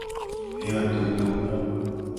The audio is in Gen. He adodo nam.